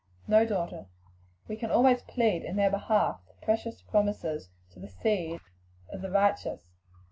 "No, daughter; and we can always plead in their behalf the precious promises to the seed of the righteous.